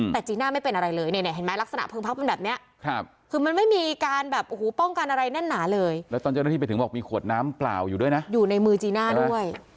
แต่จีน่าไม่เป็นอะไรเลยเนี่ยเห็นไหมลักษณะเพิงพักมันแบบนี้คือมันไม่มีการแบบโอ้โหป้องกันอะไรแน่นหนาเลยแล้วตอนเจ้าหน้าที่ไปถึงบอกมีขวดน้ำเปล่าอยู่ด้วยนะอยู่ในมือจีน่าด้วย